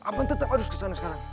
abang tetap harus kesana sekarang